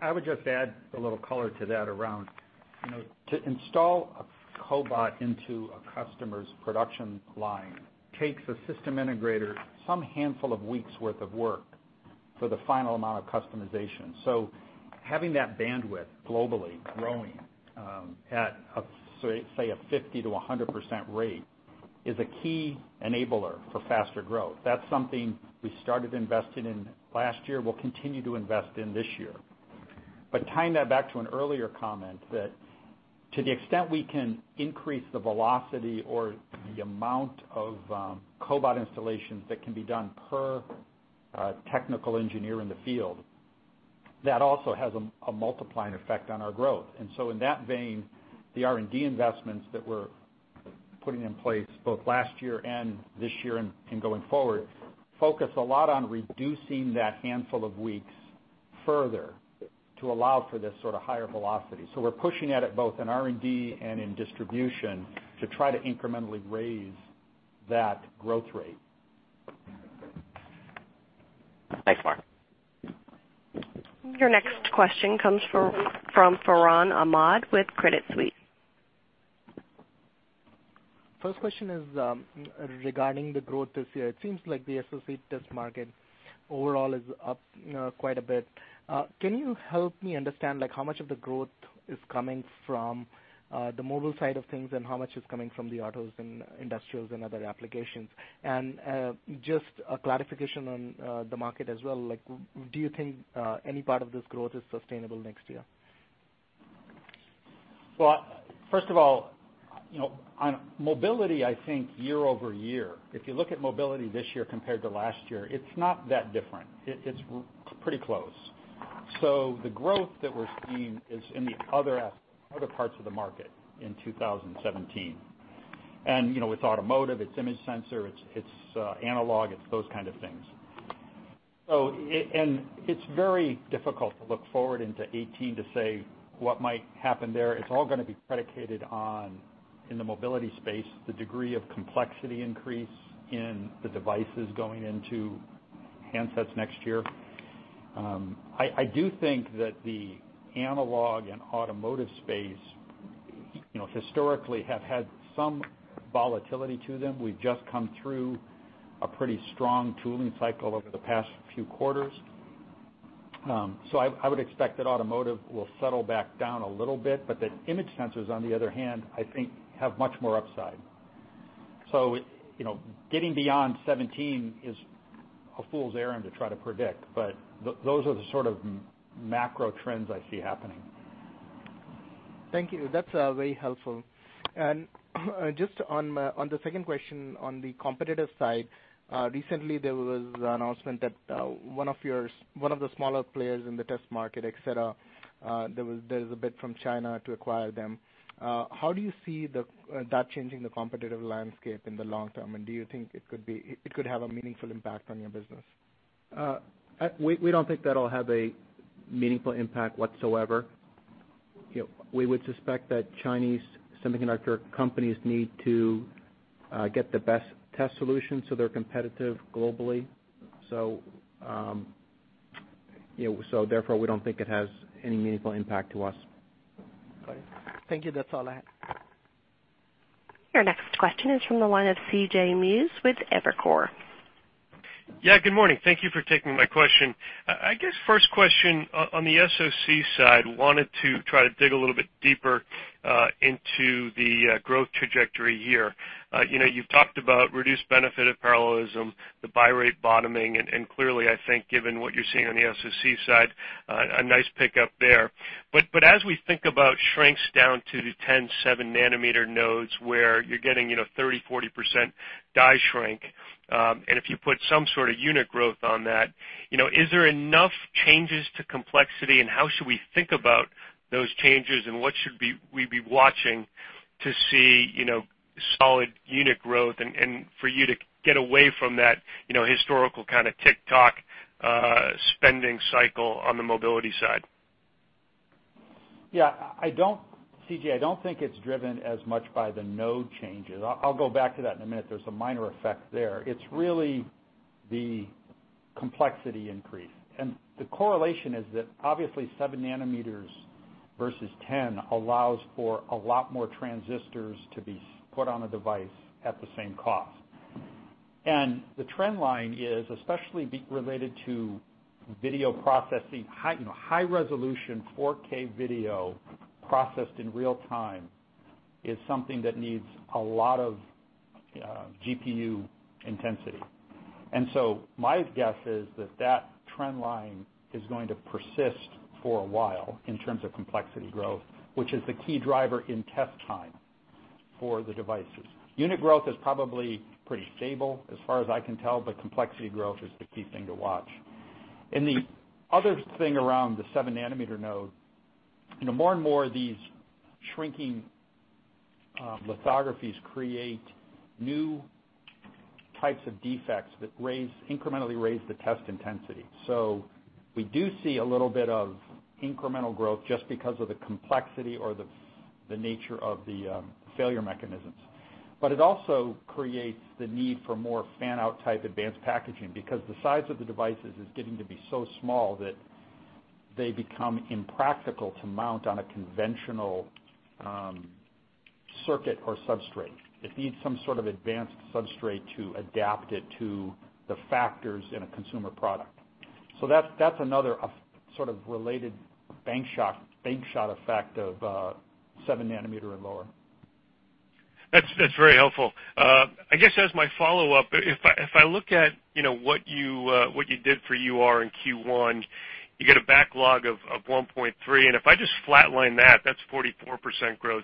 I would just add a little color to that around, to install a cobot into a customer's production line takes a system integrator some handful of weeks worth of work for the final amount of customization. Having that bandwidth globally growing at, say, a 50%-100% rate is a key enabler for faster growth. That's something we started investing in last year, we'll continue to invest in this year. Tying that back to an earlier comment that to the extent we can increase the velocity or the amount of cobot installations that can be done per technical engineer in the field, that also has a multiplying effect on our growth. In that vein, the R&D investments that we're putting in place, both last year and this year and going forward, focus a lot on reducing that handful of weeks further to allow for this sort of higher velocity. We're pushing at it both in R&D and in distribution to try to incrementally raise that growth rate. Thanks, Mark. Your next question comes from Farhan Ahmad with Credit Suisse. First question is regarding the growth this year. It seems like the SoC test market overall is up quite a bit. Can you help me understand how much of the growth is coming from the mobile side of things and how much is coming from the autos and industrials and other applications? Just a clarification on the market as well, do you think any part of this growth is sustainable next year? First of all, on mobility, I think year-over-year, if you look at mobility this year compared to last year, it's not that different. It's pretty close. The growth that we're seeing is in the other aspects, other parts of the market in 2017. It's automotive, it's image sensor, it's analog, it's those kind of things. It's very difficult to look forward into 2018 to say what might happen there. It's all going to be predicated on, in the mobility space, the degree of complexity increase in the devices going into handsets next year. I do think that the analog and automotive space historically have had some volatility to them. We've just come through a pretty strong tooling cycle over the past few quarters. I would expect that automotive will settle back down a little bit, but that image sensors, on the other hand, I think, have much more upside. Getting beyond 2017 is a fool's errand to try to predict, but those are the sort of macro trends I see happening. Thank you. That's very helpful. Just on the second question, on the competitive side, recently there was an announcement that one of the smaller players in the test market, Xcerra, there was a bid from China to acquire them. How do you see that changing the competitive landscape in the long term, and do you think it could have a meaningful impact on your business? We don't think that'll have a meaningful impact whatsoever. We would suspect that Chinese semiconductor companies need to get the best test solutions, so they're competitive globally. Therefore, we don't think it has any meaningful impact to us. Got it. Thank you. That's all I had. Your next question is from the line of C.J. Muse with Evercore. Good morning. Thank you for taking my question. I guess first question, on the SoC side, wanted to try to dig a little bit deeper into the growth trajectory here. You've talked about reduced benefit of parallelism, the buy rate bottoming, and clearly, I think, given what you're seeing on the SoC side, a nice pickup there. As we think about shrinks down to the 10, seven nanometer nodes where you're getting 30%-40% die shrink, and if you put some sort of unit growth on that, is there enough changes to complexity, and how should we think about those changes, and what should we be watching to see solid unit growth and for you to get away from that historical kind of tick-tock spending cycle on the mobility side? Yeah. C.J., I don't think it's driven as much by the node changes. I'll go back to that in a minute. There's a minor effect there. It's really the complexity increase. The correlation is that obviously seven nanometers versus 10 allows for a lot more transistors to be put on a device at the same cost. The trend line is especially related to video processing. High-resolution 4K video processed in real-time is something that needs a lot of GPU intensity. My guess is that that trend line is going to persist for a while in terms of complexity growth, which is the key driver in test time for the devices. Unit growth is probably pretty stable as far as I can tell, but complexity growth is the key thing to watch. The other thing around the seven-nanometer node, more and more of these shrinking lithographies create new types of defects that incrementally raise the test intensity. We do see a little bit of incremental growth just because of the complexity or the nature of the failure mechanisms. It also creates the need for more fan-out type advanced packaging because the size of the devices is getting to be so small that they become impractical to mount on a conventional circuit or substrate. It needs some sort of advanced substrate to adapt it to the factors in a consumer product. That's another sort of related bank shot effect of seven nanometer and lower. That's very helpful. I guess as my follow-up, if I look at what you did for UR in Q1, you get a backlog of $1.3, and if I just flatline that's 44% growth.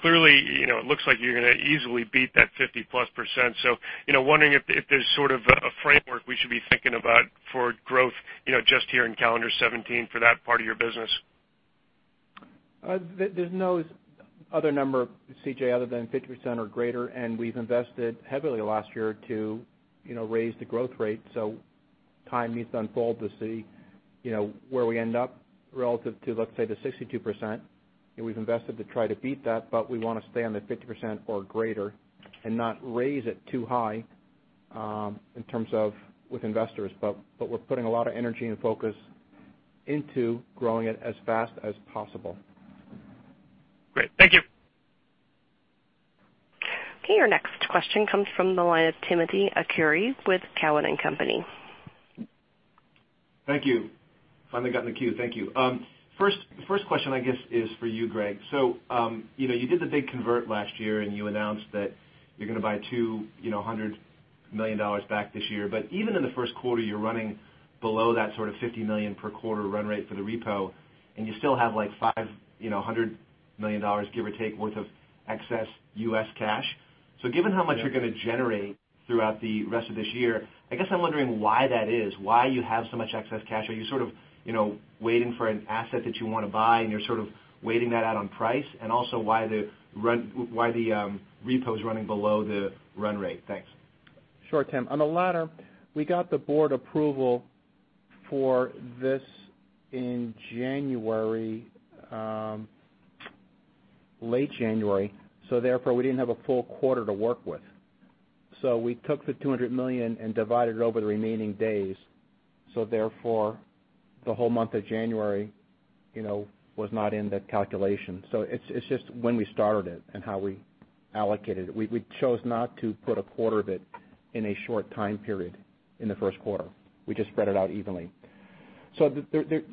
Clearly, it looks like you're going to easily beat that 50%-plus. Wondering if there's sort of a framework we should be thinking about for growth, just here in calendar 2017 for that part of your business. There's no other number, C.J., other than 50% or greater, and we've invested heavily last year to raise the growth rate. Time needs to unfold to see where we end up relative to, let's say, the 62%, and we've invested to try to beat that, we want to stay on the 50% or greater and not raise it too high, in terms of with investors. We're putting a lot of energy and focus into growing it as fast as possible. Great. Thank you. Okay, your next question comes from the line of Timothy Arcuri with Cowen and Company. Thank you. Finally got in the queue. Thank you. First question, I guess, is for you, Greg. You did the big convert last year, and you announced that you're going to buy $200 million back this year. Even in the first quarter, you're running below that sort of $50 million per quarter run rate for the repo, and you still have, like, $500 million, give or take, worth of excess U.S. cash. Given how much you're going to generate throughout the rest of this year, I guess I'm wondering why that is, why you have so much excess cash. Are you sort of waiting for an asset that you want to buy and you're sort of waiting that out on price? Also why the repo is running below the run rate. Thanks. Sure, Tim. On the latter, we got the board approval for this in January, late January, therefore, we didn't have a full quarter to work with. We took the $200 million and divided it over the remaining days. Therefore, the whole month of January was not in the calculation. It's just when we started it and how we allocated it. We chose not to put a quarter of it in a short time period in the first quarter. We just spread it out evenly.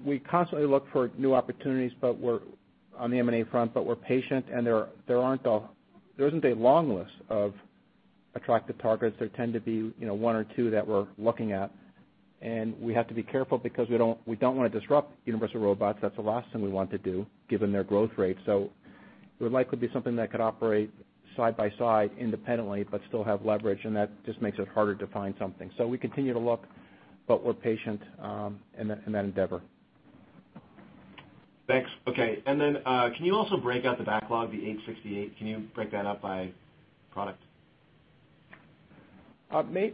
We constantly look for new opportunities on the M&A front, but we're patient, and there isn't a long list of attractive targets. There tend to be one or two that we're looking at, and we have to be careful because we don't want to disrupt Universal Robots. That's the last thing we want to do given their growth rate. It would likely be something that could operate side by side independently, but still have leverage, and that just makes it harder to find something. We continue to look, but we're patient in that endeavor. Thanks. Okay. Can you also break out the backlog, the $868? Can you break that out by product? Do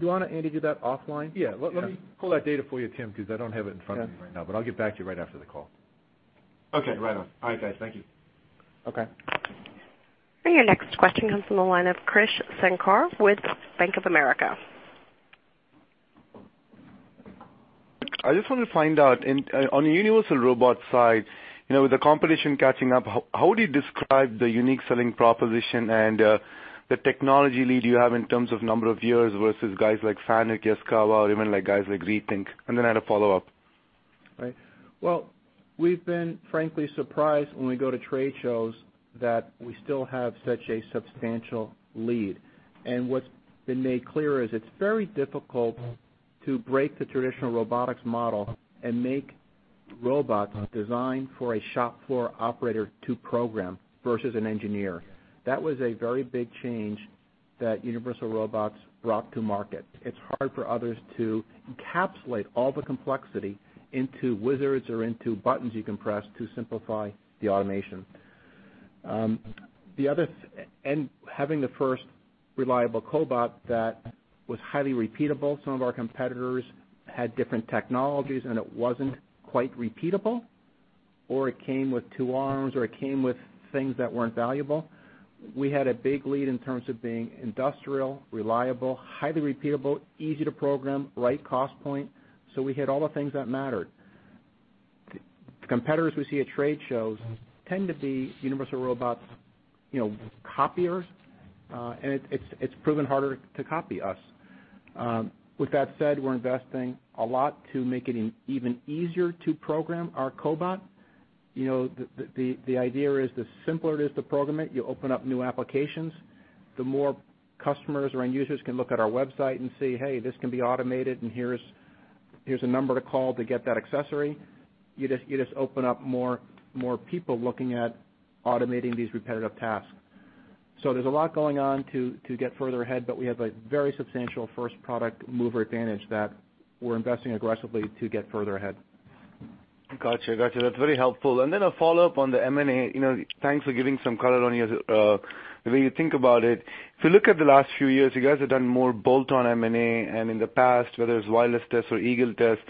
you want to, Andy, do that offline? Yeah. Let me pull that data for you, Tim, because I don't have it in front of me right now, but I'll get back to you right after the call. Okay. Right on. All right, guys. Thank you. Okay. Your next question comes from the line of Krish Sankar with Bank of America. I just want to find out, on the Universal Robots side, with the competition catching up, how would you describe the unique selling proposition and the technology lead you have in terms of number of years versus guys like Fanuc, Yaskawa, or even guys like Rethink? Then I had a follow-up. Right. Well, we've been frankly surprised when we go to trade shows that we still have such a substantial lead, and what's been made clear is it's very difficult to break the traditional robotics model and make robots designed for a shop floor operator to program versus an engineer. That was a very big change that Universal Robots brought to market. It's hard for others to encapsulate all the complexity into wizards or into buttons you can press to simplify the automation. Having the first reliable cobot that was highly repeatable. Some of our competitors had different technologies, and it wasn't quite repeatable, or it came with two arms, or it came with things that weren't valuable. We had a big lead in terms of being industrial, reliable, highly repeatable, easy to program, right cost point, so we hit all the things that mattered. The competitors we see at trade shows tend to be Universal Robots copiers, and it's proven harder to copy us. With that said, we're investing a lot to make it even easier to program our cobot. The idea is the simpler it is to program it, you open up new applications. The more customers or end users can look at our website and see, hey, this can be automated, and here's a number to call to get that accessory. You just open up more people looking at automating these repetitive tasks. There's a lot going on to get further ahead, but we have a very substantial first product mover advantage that we're investing aggressively to get further ahead. Got you. That's very helpful. Then a follow-up on the M&A. Thanks for giving some color on the way you think about it. If you look at the last few years, you guys have done more bolt-on M&A, and in the past, whether it's wireless test or Eagle Test,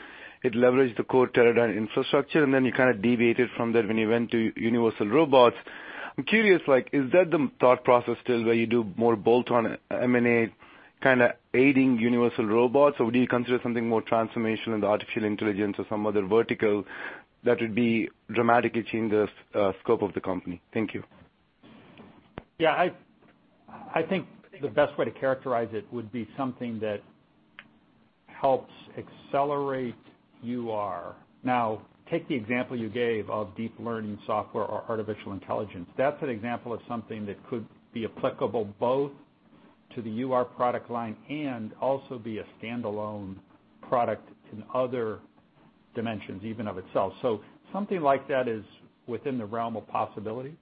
it leveraged the core Teradyne infrastructure, and then you kind of deviated from that when you went to Universal Robots. I'm curious, is that the thought process still, where you do more bolt-on M&A, kind of aiding Universal Robots? Do you consider something more transformational in the artificial intelligence or some other vertical that would dramatically change the scope of the company? Thank you. Yeah, I think the best way to characterize it would be something that helps accelerate UR. Now, take the example you gave of deep learning software or artificial intelligence. That's an example of something that could be applicable both to the UR product line and also be a standalone product in other dimensions, even of itself. Something like that is within the realm of possibility.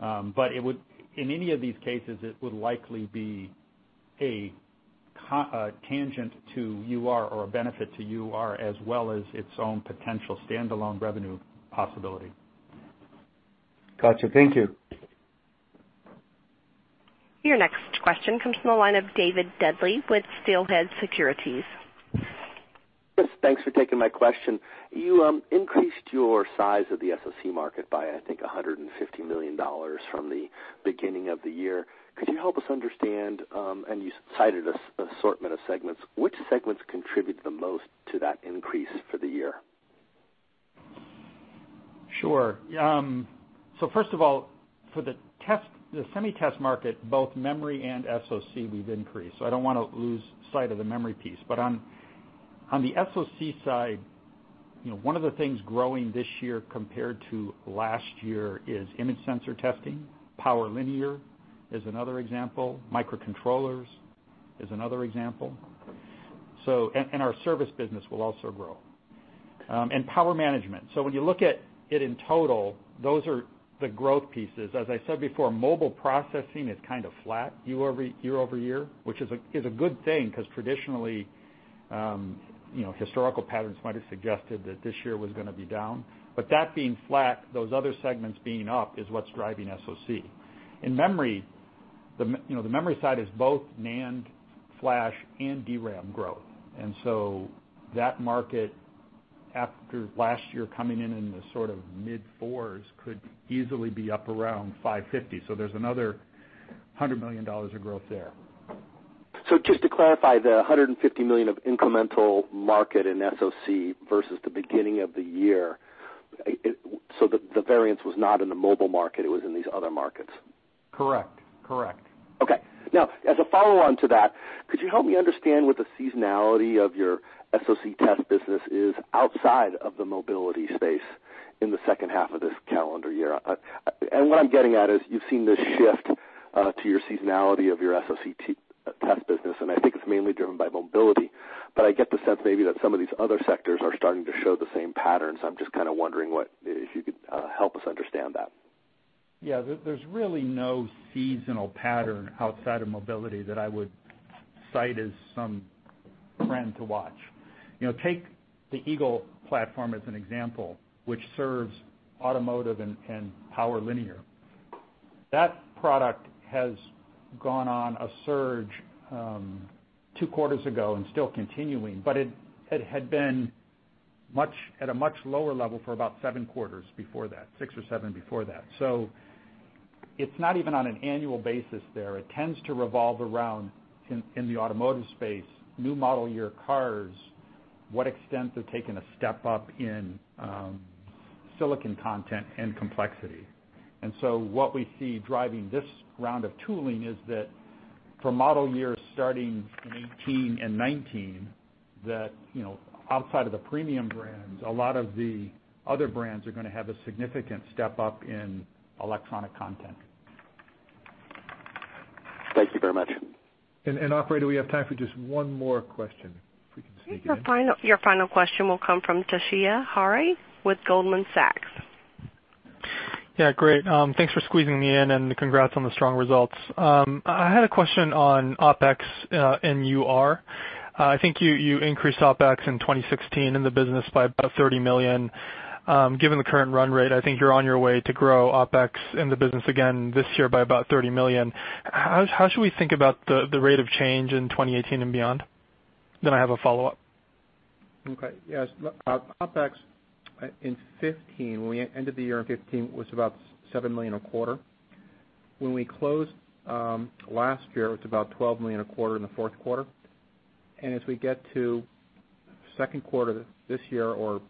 In any of these cases, it would likely be a tangent to UR or a benefit to UR, as well as its own potential standalone revenue possibility. Got you. Thank you. Your next question comes from the line of David Duley with Steelhead Securities. Yes, thanks for taking my question. You increased your size of the SoC market by, I think, $150 million from the beginning of the year. Could you help us understand, and you cited a assortment of segments, which segments contribute the most to that increase for the year? Sure. First of all, for the semi-test market, both memory and SoC, we've increased. I don't want to lose sight of the memory piece. On the SoC side, one of the things growing this year compared to last year is image sensor testing. Power linear is another example. Microcontrollers is another example. Our service business will also grow. Power management. When you look at it in total, those are the growth pieces. As I said before, mobile processing is kind of flat year-over-year, which is a good thing, because traditionally, historical patterns might have suggested that this year was going to be down. That being flat, those other segments being up, is what's driving SoC. In memory, the memory side is both NAND, flash, and DRAM growth. That market, after last year coming in in the sort of mid-fours, could easily be up around 550. There's another $100 million of growth there. Just to clarify, the $150 million of incremental market in SoC versus the beginning of the year, the variance was not in the mobile market, it was in these other markets. Correct. Okay. Now, as a follow-on to that, could you help me understand what the seasonality of your SoC test business is outside of the mobility space in the second half of this calendar year? What I'm getting at is you've seen this shift to your seasonality of your SoC test business, and I think it's mainly driven by mobility. I get the sense maybe that some of these other sectors are starting to show the same patterns. I'm just kind of wondering if you could help us understand that. Yeah, there's really no seasonal pattern outside of mobility that I would cite as some trend to watch. Take the Eagle platform as an example, which serves automotive and power linear. That product has gone on a surge two quarters ago and still continuing, but it had been at a much lower level for about seven quarters before that, six or seven before that. It's not even on an annual basis there. It tends to revolve around, in the automotive space, new model year cars, what extent they're taking a step up in silicon content and complexity. What we see driving this round of tooling is that for model years starting in 2018 and 2019, that outside of the premium brands, a lot of the other brands are going to have a significant step-up in electronic content. Thank you very much. Operator, we have time for just one more question, if we can squeeze it in. Your final question will come from Toshiya Hari with Goldman Sachs. Great. Thanks for squeezing me in, and congrats on the strong results. I had a question on OpEx and UR. I think you increased OpEx in 2016 in the business by about $30 million. Given the current run rate, I think you're on your way to grow OpEx in the business again this year by about $30 million. How should we think about the rate of change in 2018 and beyond? I have a follow-up. Okay, yes. OpEx in 2015, when we ended the year in 2015, was about $7 million a quarter. When we closed last year, it was about $12 million a quarter in the fourth quarter. As we get to second quarter this year, it's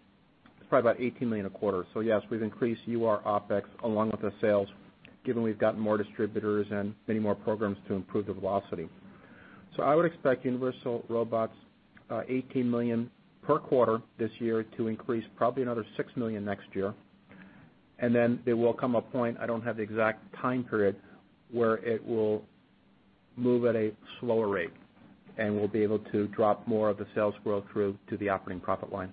probably about $18 million a quarter. Yes, we've increased UR OpEx along with the sales, given we've got more distributors and many more programs to improve the velocity. I would expect Universal Robots $18 million per quarter this year to increase probably another $6 million next year, then there will come a point, I don't have the exact time period, where it will move at a slower rate, and we'll be able to drop more of the sales growth through to the operating profit line.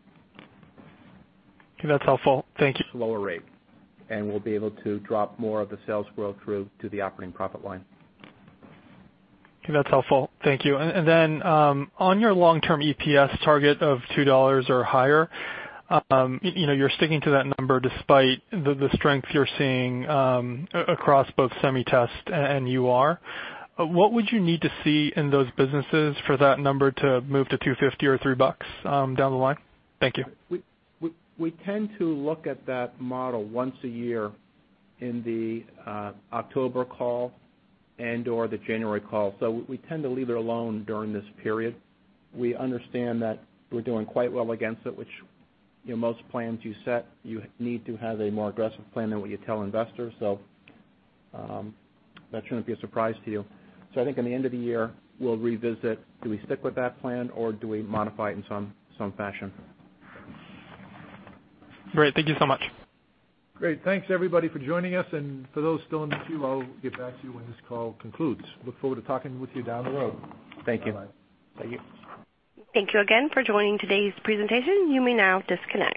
Okay, that's helpful. Thank you. Slower rate, and we'll be able to drop more of the sales growth through to the operating profit line. Okay, that's helpful. Thank you. On your long-term EPS target of $2 or higher, you're sticking to that number despite the strength you're seeing across both SemiTest and UR. What would you need to see in those businesses for that number to move to $2.50 or $3 down the line? Thank you. We tend to look at that model once a year in the October call and/or the January call. We tend to leave it alone during this period. We understand that we're doing quite well against it, which most plans you set, you need to have a more aggressive plan than what you tell investors. That shouldn't be a surprise to you. I think in the end of the year, we'll revisit, do we stick with that plan or do we modify it in some fashion? Great. Thank you so much. Great. Thanks everybody for joining us. For those still in the queue, I'll get back to you when this call concludes. Look forward to talking with you down the road. Thank you. Bye-bye. Thank you. Thank you again for joining today's presentation. You may now disconnect.